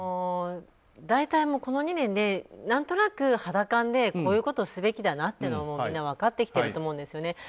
大体この２年で何となく肌間でこういうことをすべきだなというのはみんな分かってきてると思うんですよね。